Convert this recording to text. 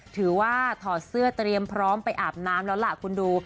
ถอดเสื้อเตรียมพร้อมไปอาบน้ำแล้วล่ะคุณดู